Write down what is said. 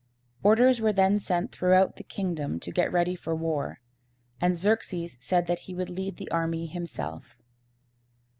Orders were then sent throughout the kingdom to get ready for war, and Xerxes said that he would lead the army himself.